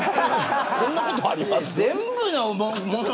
こんなことありますか。